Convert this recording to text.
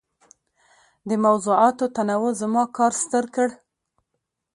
د موضوعاتو تنوع زما کار ستر کړ.